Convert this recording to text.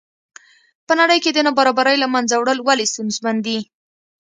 په نړۍ کې د نابرابرۍ له منځه وړل ولې ستونزمن دي.